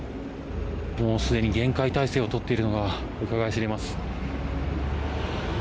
すでに厳戒態勢を取っているのがうかがいしれます。